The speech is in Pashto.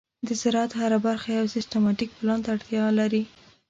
د زراعت هره برخه یو سیستماتيک پلان ته اړتیا لري.